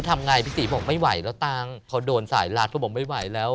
ทำไงพี่ตีบอกไม่ไหวแล้วตังค์เขาโดนสายรัดเขาบอกไม่ไหวแล้ว